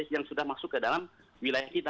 yang sudah masuk ke dalam wilayah kita